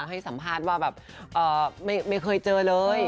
ให้สัมภาษณ์ว่าแบบไม่เคยเจอเลย